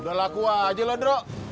udah laku aja lo druk